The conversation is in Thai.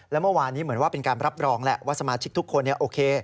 และเมื่อวานนี้เหมือนว่าเป็นการรับรองแหละว่าสมาชิกทุกคนโอเค